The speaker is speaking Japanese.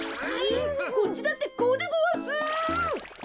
こっちだってこうでごわす。